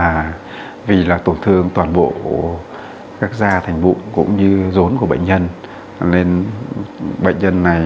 vấn đề này vì là tổn thương toàn bộ các da thành bụng cũng như rốn của bệnh nhân lên bệnh nhân này